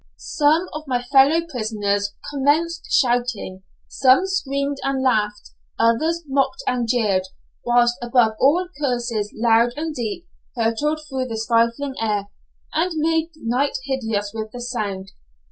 Some of my fellow prisoners commenced shouting, some screamed and laughed, others mocked and jeered, whilst above all curses loud and deep hurtled through the stifling air, and made night hideous with the sound.